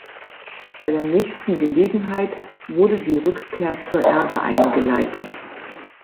Bei der nächsten Gelegenheit wurde die Rückkehr zur Erde eingeleitet.